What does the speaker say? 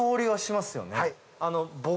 はい。